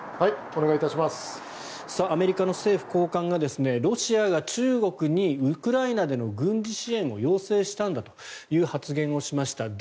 アメリカの政府高官がロシアが中国にウクライナでの軍事支援を要請したんだという発言をしました。